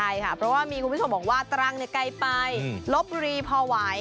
ใช่ครับเพราะว่ามีกุธพิสมบอกว่าตลังใกล้ลบบุรีพอไหว